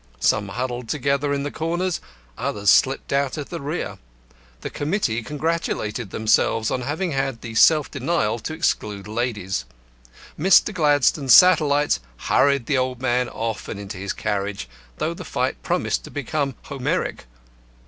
Some huddled together in the corners, others slipped out at the rear. The committee congratulated themselves on having had the self denial to exclude ladies. Mr. Gladstone's satellites hurried the old man off and into his carriage, though the fight promised to become Homeric.